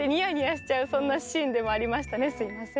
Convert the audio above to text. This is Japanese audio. すみません。